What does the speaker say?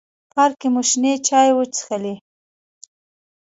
پارک کې مو شنې چای وڅښلې.